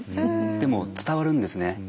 でも伝わるんですね。